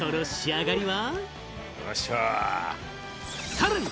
さらに。